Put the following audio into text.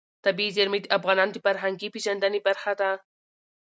طبیعي زیرمې د افغانانو د فرهنګي پیژندنې برخه ده.